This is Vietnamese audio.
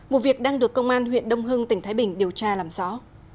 vụ việc đang được công an huyện đông hưng tỉnh thái bình điều tra làm rõ